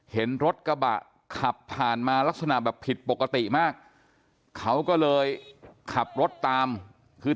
เห็นรถกระบะขับผ่านมาลักษณะแบบผิดปกติมากเขาก็เลยขับรถตามคือ